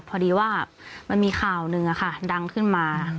พอดีว่ามันมีข่าวหนึ่งค่ะดังขึ้นมา